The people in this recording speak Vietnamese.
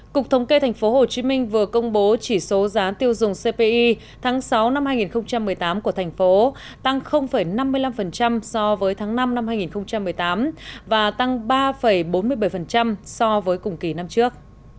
cục thống kê tp hcm vừa công bố chỉ số giá tiêu dùng cpi tháng sáu năm hai nghìn một mươi tám của thành phố tăng năm mươi năm so với tháng năm năm hai nghìn một mươi tám và tăng ba bốn mươi bảy so với cùng kỳ năm trước